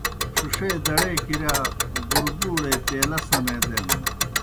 ݜِݜے دڑے کِرِیا بُربُوڑے پیلہ سنے دینَن۔